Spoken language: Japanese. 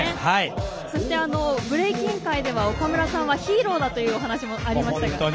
そして、ブレイキン界では岡村さんはヒーローだというお話もありましたが。